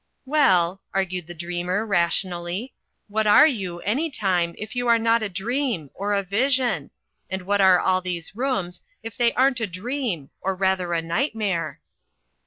*Well," argued the dreamer, rationally, "what are you, an)i;ime, if you're not a dream— or a vision? And what are all these rooms, if they aren't a dream — or rather a nightmare?"